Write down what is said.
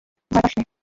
ভয় পাস নে!